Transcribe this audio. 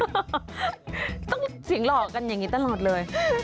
ต้องเสียงหล่อกันอย่างนี้ตลอดเลย